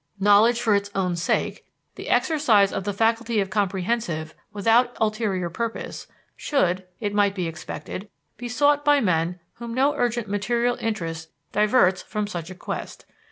Knowledge for its own sake, the exercise of the faculty of comprehensive without ulterior purpose, should, it might be expected, be sought by men whom no urgent material interest diverts from such a quest.